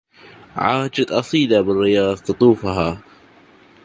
عاجت أصيلا بالرياض تطوفها